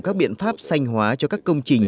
các biện pháp sanh hóa cho các công trình